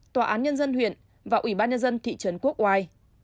tòa án nhân dân huyện và ủy ban nhân dân thị trấn quốc oai